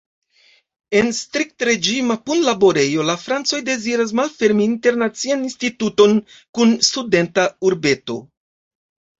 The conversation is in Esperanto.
En striktreĝima punlaborejo la francoj deziras malfermi internacian instituton kun studenta urbeto.